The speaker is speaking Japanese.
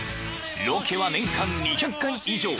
［ロケは年間２００回以上］